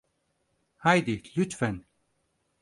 Haydi, lütfen.